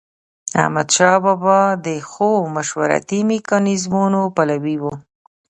احمدشاه بابا د ښو مشورتي میکانیزمونو پلوي و.